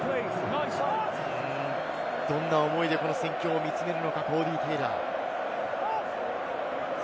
どんな思いで戦況を見つめるのか、コーディー・テイラー。